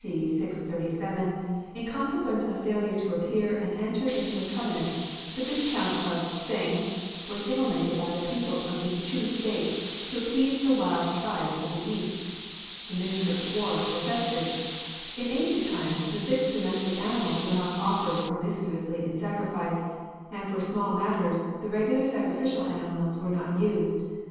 C. 637, in consequence of failure to appear and enter into a covenant, the Viscount of Tseng was immolated by the people of the Chu State, to appease the wild tribes of the east. The Minister of War protested : "In ancient times the six domestic animals were not offered promiscuously in sacrifice ; and for small matters, the regular sacrificial animals were not used.